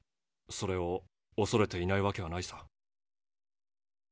それをおそれていないわけはないさ。